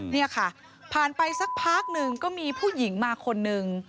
นี่ค่ะผ่านไปสักพักหนึ่งก็มีผู้หญิงมาคนนึง